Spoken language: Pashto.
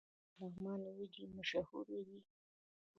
آیا د لغمان وریجې مشهورې دي؟